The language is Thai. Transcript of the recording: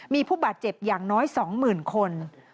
มีผู้บาดเจ็บอย่างน้อย๒๐๐๐คน